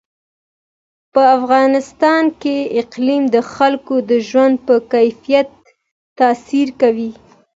په افغانستان کې اقلیم د خلکو د ژوند په کیفیت تاثیر کوي.